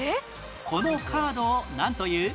このカードをなんという？